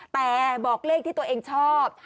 แต่บอกเลขที่ตัวเองชอบ